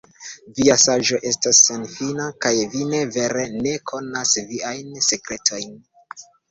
Via saĝo estas senfina, kaj ni vere ne konas Viajn sekretojn!